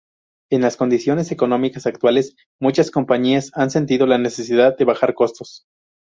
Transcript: En las condiciones económicas actuales, muchas compañías han sentido la necesidad de bajar costos.